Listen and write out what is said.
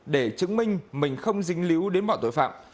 để chứng minh mình không dính líu đến bọn tội phạm